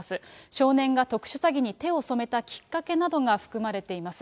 少年が特殊詐欺に手を染めたきっかけなどが含まれています。